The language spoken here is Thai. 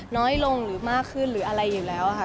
น้อยลงหรือมากขึ้นหรืออะไรอยู่แล้วค่ะ